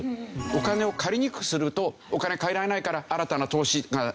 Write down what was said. お金を借りにくくするとお金借りられないから新たな投資がなかなかできない。